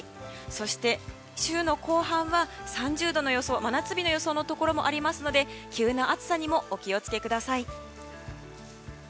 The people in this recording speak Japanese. そして週の後半は３０度の真夏日の予想のところもあるので急な暑さにもお気を付けください。